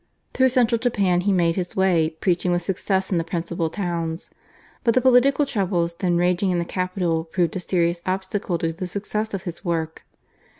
Through central Japan he made his way preaching with success in the principal towns, but the political troubles then raging in the capital proved a serious obstacle to the success of his work.